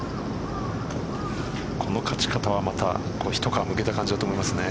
この勝ち方はまた一皮剥けた感じだと思いますね。